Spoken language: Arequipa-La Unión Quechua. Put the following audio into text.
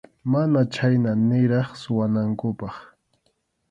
Mana chhayna niraq suwanankupaq.